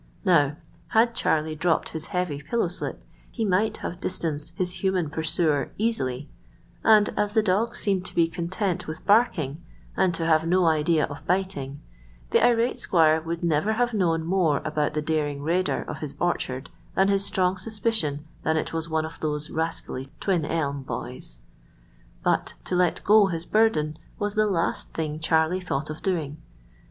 Now, had Charlie dropped his heavy pillow slip, he might have distanced his human pursuer easily, and as the dogs seemed to be content with barking, and to have no idea of biting, the irate squire would never have known more about the daring raider of his orchard than his strong suspicion that it was one of those rascally Twin Elm boys. But to let go his burden was the last thing Charlie thought of doing.